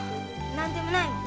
何でもないの。